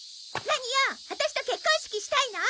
ワタシと結婚式したいの？